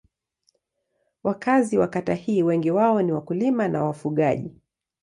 Wakazi wa kata hii wengi wao ni wakulima na wafugaji.